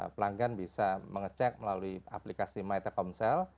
pelanggan bisa mengecek melalui aplikasi my telkomsel